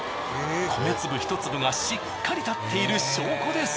米粒１粒がしっかり立っている証拠です。